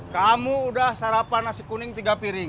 kamu udah sarapan nasi kuning tiga piring